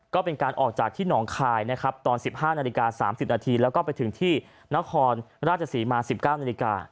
ก็เป็นการออกจากที่นองคายตอน๑๕นาที๓๐นาทีแล้วก็ไปถึงที่นครราชศรีมา๑๙นาที